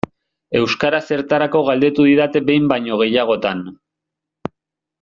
Euskara zertarako galdetu didate behin baino gehiagotan.